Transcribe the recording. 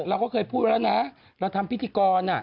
เราก็เคยพูดแล้วนะเราทำพิธีกร